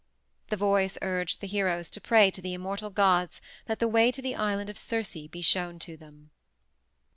The voice urged the heroes to pray to the immortal gods that the way to the island of Circe be shown to them.